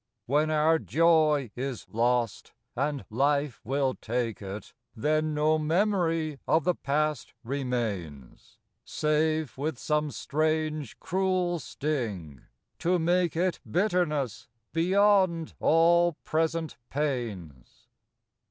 When our Joy is lost — and life will take it — Then no memory of the past remains; Save with some strange, cruel sting, to make it Bitterness beyond all present pains.